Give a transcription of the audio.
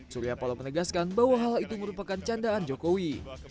surya paloh menegaskan bahwa hal itu merupakan candaan jokowi